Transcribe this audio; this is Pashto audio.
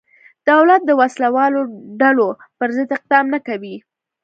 دولت د وسله والو ډلو پرضد اقدام نه کوي.